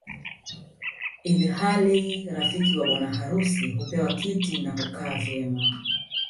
Ili hali rafiki wa bwana harusi hupewa kiti na hukaa vyema